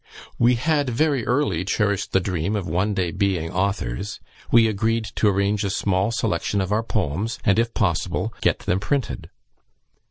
We had very early cherished the dream of one day being authors. We agreed to arrange a small selection of our poems, and, if possible, get them printed.